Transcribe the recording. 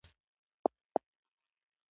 په هره غونډه کې یې یادونه وکړو.